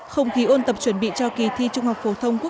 không khí ôn tập chuẩn bị cho kỳ thi trung học phổ thông phú quế